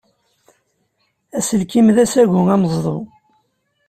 Aselkim d asagu ameẓdu.